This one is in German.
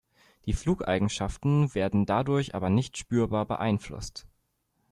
Die Flugeigenschaften werden dadurch aber nicht spürbar beeinflusst.